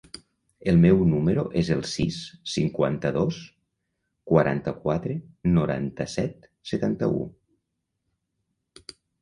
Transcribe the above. El meu número es el sis, cinquanta-dos, quaranta-quatre, noranta-set, setanta-u.